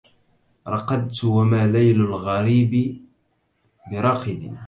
رقدت وما ليل الغريب براقد